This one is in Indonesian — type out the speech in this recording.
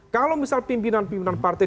kalau misal pimpinan pimpinan partai